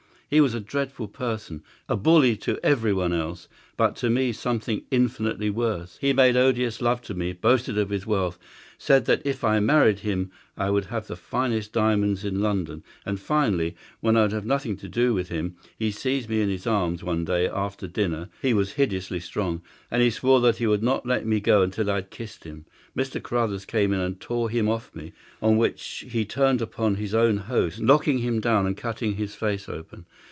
He was a dreadful person, a bully to everyone else, but to me something infinitely worse. He made odious love to me, boasted of his wealth, said that if I married him I would have the finest diamonds in London, and finally, when I would have nothing to do with him, he seized me in his arms one day after dinner—he was hideously strong—and he swore that he would not let me go until I had kissed him. Mr. Carruthers came in and tore him off from me, on which he turned upon his own host, knocking him down and cutting his face open.